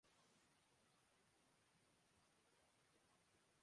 یقین رکھتا ہوں کہ قوانین کا سختی سے نفاذ کیا جانا چاھیے